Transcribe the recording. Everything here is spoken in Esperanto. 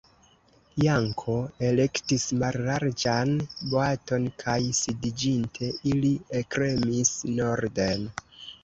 Janko elektis mallarĝan boaton kaj sidiĝinte, ili ekremis norden.